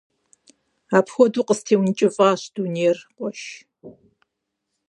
Апхуэдэу къыстеункӀыфӀащ дунейр, къуэш.